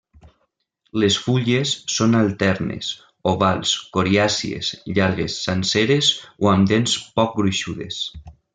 Les fulles són alternes, ovals coriàcies, llargues, senceres o amb dents poc gruixudes.